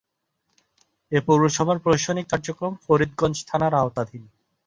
এ পৌরসভার প্রশাসনিক কার্যক্রম ফরিদগঞ্জ থানার আওতাধীন।